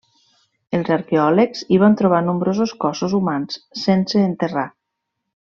Els arqueòlegs hi van trobar nombrosos cossos humans sense enterrar.